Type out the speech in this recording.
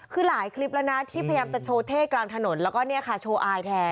คือหลายคลิปแล้วนะที่พยายามจะโชว์เท่กลางถนนแล้วก็เนี่ยค่ะโชว์อายแทน